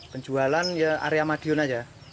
penjualan ya area madiun aja